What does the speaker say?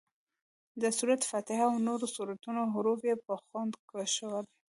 د سورت فاتحې او نورو سورتونو حروف یې په خوند کشول.